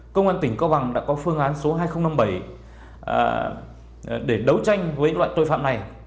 công an tỉnh cao bằng đã có phương án số hai nghìn năm mươi bảy để đấu tranh với loại tội phạm này